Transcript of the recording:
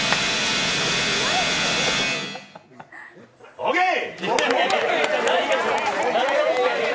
オーケイ！